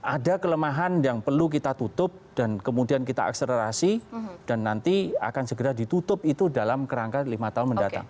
ada kelemahan yang perlu kita tutup dan kemudian kita akselerasi dan nanti akan segera ditutup itu dalam kerangka lima tahun mendatang